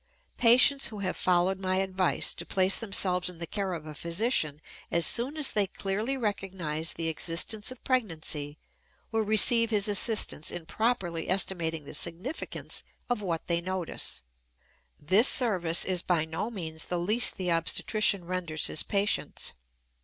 Patients who have followed my advice to place themselves in the care of a physician as soon as they clearly recognize the existence of pregnancy will receive his assistance in properly estimating the significance of what they notice. This service is by no means the least the obstetrician renders his patients.